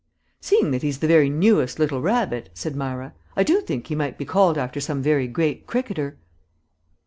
"Seeing that he's the very newest little Rabbit," said Myra, "I do think he might be called after some very great cricketer."